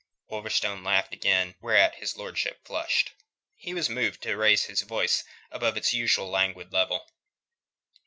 Wolverstone laughed again, whereat his lordship flushed. He was moved to raise his voice above its usual languid level.